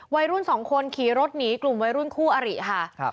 วัยรุ่นสองคนขี่รถหนีกลุ่มวัยรุ่นคู่อริค่ะ